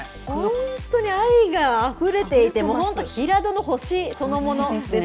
本当に愛があふれていて、本当、平戸の星そのものですね。